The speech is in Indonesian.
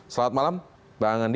selamat malam bang andi